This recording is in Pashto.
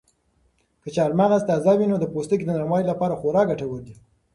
که چهارمغز تازه وي نو د پوستکي د نرموالي لپاره خورا ګټور دي.